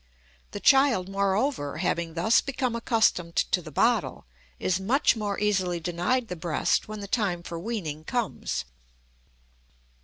The child, moreover, having thus become accustomed to the bottle, is much more easily denied the breast when the time for weaning comes.